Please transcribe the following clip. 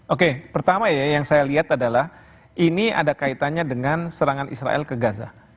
oke pertama ya yang saya lihat adalah ini ada kaitannya dengan serangan israel ke gaza